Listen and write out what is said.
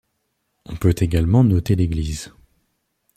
On peut également noter l'église.